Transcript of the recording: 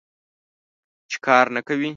چې کار نه کوې.